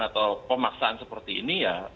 atau pemaksaan seperti ini ya